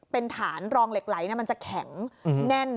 เป็นฐานรองเหล็กไหลมันจะแข็งแน่น